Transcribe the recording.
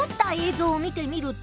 ぞうを見てみると。